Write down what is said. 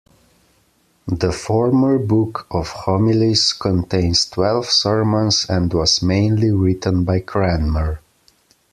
The 'Former Book' of homilies contains twelve sermons and was mainly written by Cranmer.